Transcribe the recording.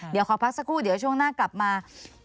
เดี๋ยวขอพักสักครู่เดี๋ยวช่วงหน้ากลับมา